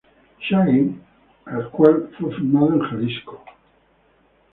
Shaggy, el cual fue filmado en Jalisco.